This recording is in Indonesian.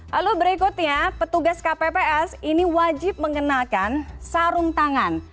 lalu berikutnya petugas kpps ini wajib mengenakan sarung tangan